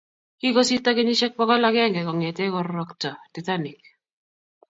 Kikosirto kenyisiek bokol agenge kong'ete kororokto Titanic.